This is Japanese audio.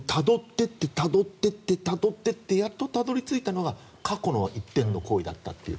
たどっていって、たどっていってやっとたどり着いたのが過去の１点の行為だったという。